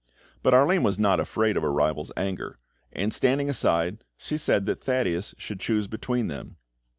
But Arline was not afraid of her rival's anger; and standing aside, she said that Thaddeus should choose between them.